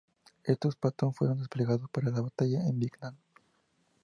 Estos Patton fueron desplegados para la batalla en Vietnam.